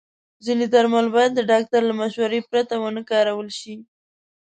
ځینې درمل باید د ډاکټر له مشورې پرته ونه کارول شي.